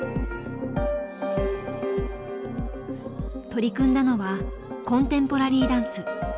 取り組んだのはコンテンポラリーダンス。